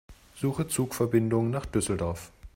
Suche Zugverbindungen nach Düsseldorf.